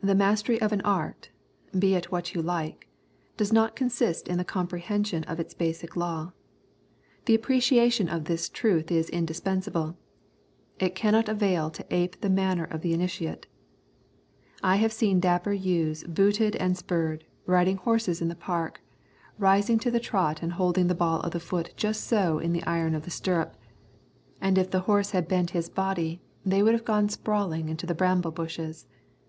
The mastery of an art be it what you like does but consist in the comprehension of its basic law. The appreciation of this truth is indispensable. It cannot avail to ape the manner of the initiate. I have seen dapper youths booted and spurred, riding horses in the park, rising to the trot and holding the ball of the foot just so on the iron of the stirrup, and if the horse had bent his body they would have gone sprawling into the bramble bushes.